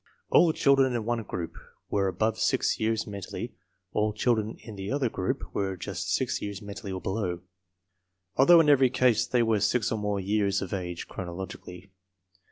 All children in one group were above 6 years mentally, all children in the other group were just 6 years mentally or below, although in every case they were 6 or more years of age chronologically.